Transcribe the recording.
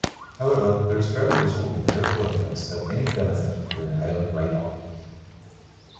However, there is very little empirical evidence of any benefit to inhaling radon.